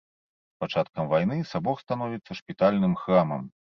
З пачаткам вайны сабор становіцца шпітальным храмам.